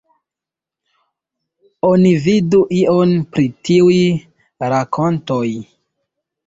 Oni vidu ion pri tiuj rakontoj.